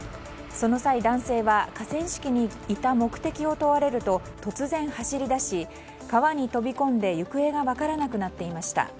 その際、男性は河川敷にいた目的を問われると突然走り出し、川に飛び込んで行方が分からなくなっていました。